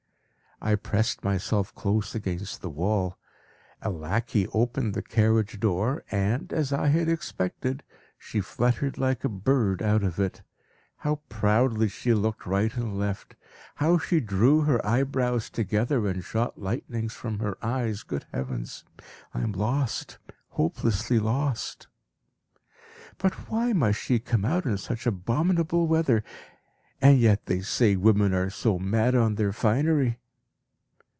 I pressed myself close against the wall. A lackey opened the carriage door, and, as I had expected, she fluttered like a bird out of it. How proudly she looked right and left; how she drew her eyebrows together, and shot lightnings from her eyes good heavens! I am lost, hopelessly lost! But why must she come out in such abominable weather? And yet they say women are so mad on their finery!